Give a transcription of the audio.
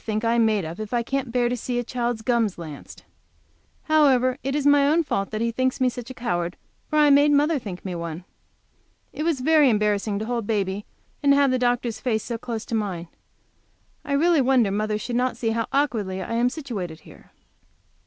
think I am made of if I can't bear to see a child's gums lanced? However, it is my own fault that he thinks me such a coward, for I made mother think me one. It was very embarrassing to hold baby and have the doctor's face so close to mine. I really wonder mother should not see how awkwardly I am situated here.